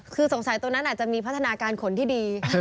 คือสงสัยตรงนั้นอาจจะมีพัฒนาการขนที่ดี